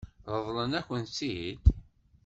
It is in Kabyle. Ṛeḍlent-akent-tt-id?